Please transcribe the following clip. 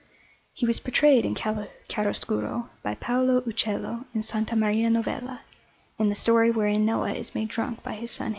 He was portrayed in chiaroscuro by Paolo Uccello in S. Maria Novella, in the story wherein Noah is made drunk by his son Ham.